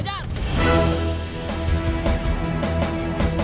helan motor pak